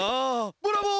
オブラボー！